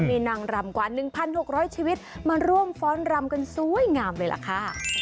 มีนางรำกว่า๑๖๐๐ชีวิตมาร่วมฟ้อนรำกันสวยงามเลยล่ะค่ะ